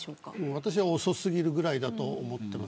私は遅すぎるぐらいだと思っています。